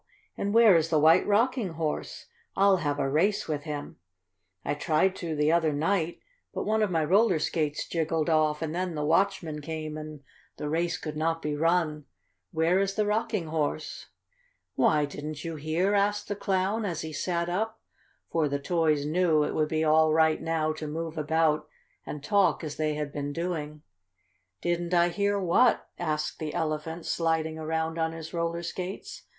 And where is the White Rocking Horse? I'll have a race with him. I tried to the other night, but one of my roller skates jiggled off and then the watchman came and the race could not be run. Where is the Rocking Horse?" "Why, didn't you hear?" asked the Clown, as he sat up, for the toys knew it would be all right now to move about and talk as they had been doing. "Didn't I hear what?" asked the Elephant, sliding around on his roller skates.